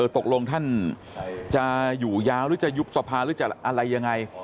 ตกลงท่านจะอยู่ยาวหรือจะยุบสภาหรือจะอะไรยังไง